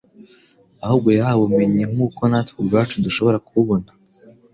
Ahubwo yahawe ubumenyi nk'uko natwe ubwacu dushobora kububona;